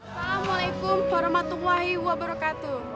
assalamu'alaikum warahmatullahi wabarakatuh